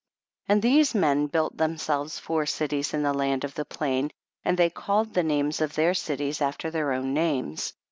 26. And these men built them selves four cities in the land of the plain, and they called the names of their cities after their own names.